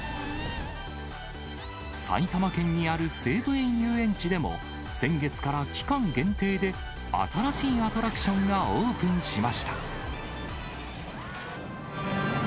埼玉県にある西武園ゆうえんちでも、先月から期間限定で、新しいアトラクションがオープンしました。